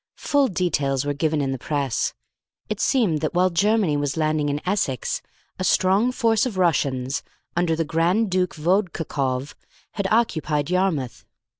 Full details were given in the Press. It seemed that while Germany was landing in Essex, a strong force of Russians, under the Grand Duke Vodkakoff, had occupied Yarmouth.